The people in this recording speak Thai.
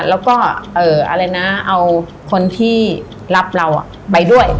แล้วก็อะไรนะเอาคนที่รับเราไปด้วย